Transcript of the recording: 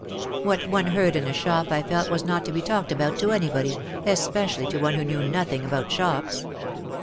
What one heard in a shop I felt was not to be talked about to anybody, espe cially to one who knew nothing about shops.